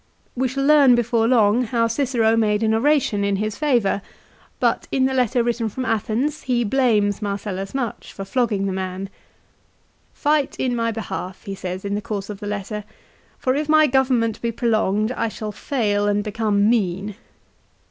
We shall learn before long how Cicero made an oration in his favour; but in the letter written from Athens, he blames Marcellus much for flogging the man. 1 " Fight in my behalf," he says in the course of this letter, " for if my government be prolonged, I shall fail and become mean.'